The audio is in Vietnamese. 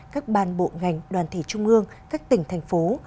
các ban bộ ngành đoàn thể trung ương các tỉnh thành phố